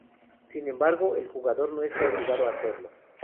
Sin embargo, el jugador no está obligado a hacerlo.